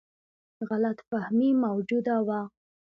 غلط فهمي موجوده وه.